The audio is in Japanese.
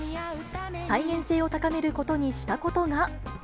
再現性を高めることにしたことが。